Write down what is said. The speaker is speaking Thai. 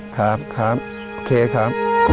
ครับครับโอเคครับ